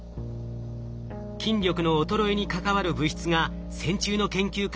筋力の衰えに関わる物質が線虫の研究から明らかになりました。